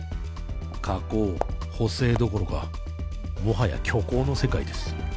加工補正どころかもはや虚構の世界です